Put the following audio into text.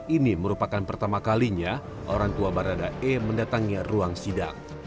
ini merupakan pertama kalinya orang tua barada e mendatangi ruang sidang